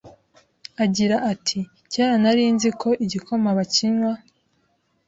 agira ati "Kera nari nzi ko igikoma bakinywa,